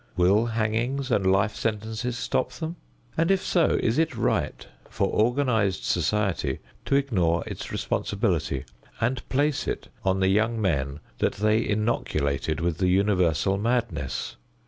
Will hangings and life sentences stop them? And, if so, is it right for organized society to ignore its responsibility and place it on the young men that they innoculated with the universal madness?